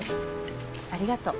ありがとう。